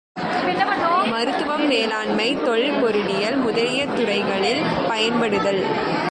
மருத்துவம், வேளாண்மை, தொல் பொருளியல் முதலிய துறைகளில் பயன்படுதல்.